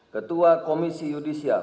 ketua komisi yudisya